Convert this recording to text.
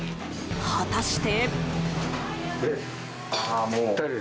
果たして。